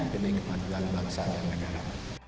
demi kemajuan bangsa dan negara